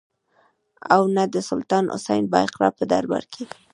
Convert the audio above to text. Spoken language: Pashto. او نه د سلطان حسین بایقرا په دربار کې.